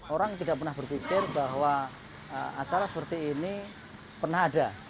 orang tidak pernah berpikir bahwa acara seperti ini pernah ada